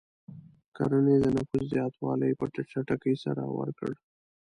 کرنې د نفوس زیاتوالی په چټکۍ سره ورکړ.